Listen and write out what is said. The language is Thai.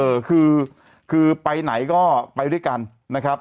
เออคือคือไปไหนก็ไปด้วยกันนะครับ